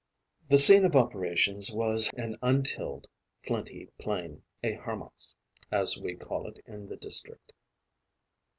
The scene of operations was an untilled, flinty plain, a harmas, as we call it in the district.